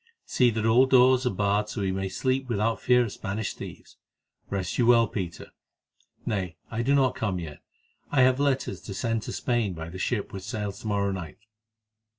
See that all doors are barred so that we may sleep without fear of Spanish thieves. Rest you well, Peter. Nay, I do not come yet; I have letters to send to Spain by the ship which sails to morrow night."